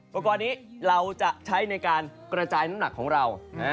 ประกอบนี้เราจะใช้ในการกระจายน้ำหนักของเรา